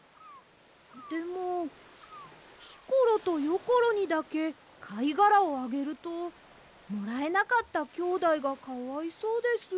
でもひころとよころにだけかいがらをあげるともらえなかったきょうだいがかわいそうです。